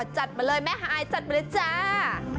จัดมาเลยแม่ฮายจัดมาเลยจ้า